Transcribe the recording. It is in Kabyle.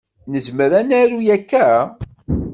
Nezmer ad naru akka?